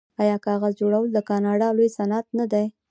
آیا کاغذ جوړول د کاناډا لوی صنعت نه دی؟